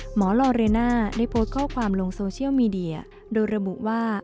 หมอลอเรน่าได้โพสต์ข้อความลงโซเชียลมีเดียโดยระบุว่า